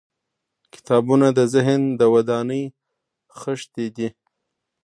• کتابونه د ذهن د ودانۍ خښتې دي.